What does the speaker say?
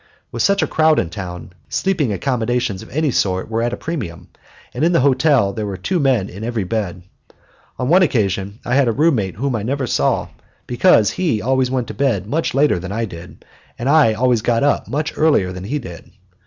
With such a crowd in town, sleeping accommodations of any sort were at a premium, and in the hotel there were two men in every bed. On one occasion I had a roommate whom I never saw, because he always went to bed much later than I did and I always got up much earlier than he did.